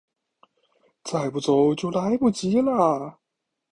再不走就来不及了